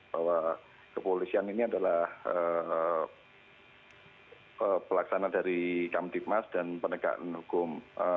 bahwa kepolisian ini adalah pelaksanaan dari kamitikmas dan penegaan hukum